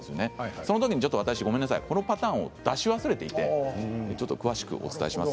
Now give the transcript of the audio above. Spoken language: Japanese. そのときに、私がこのパターンを出し忘れていて詳しくお伝えします。